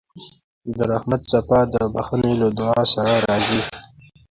د رحمت څپه د بښنې له دعا سره راځي.